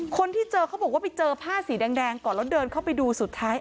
คนที่เจอเขาบอกว่าไปเจอผ้าสีแดงก่อนแล้วเดินเข้าไปดูสุดท้าย